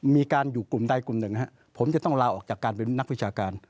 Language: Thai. มีการอยู่กลุ่มใดกลุ่มหนึ่งนะครับผมจะต้องลาออกจากการเป็นนักวิชาการ